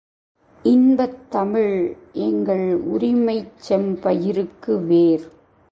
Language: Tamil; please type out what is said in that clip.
இன்பத்தமிழ் எங்கள் உரிமைச்செம் பயிருக்கு வேர்!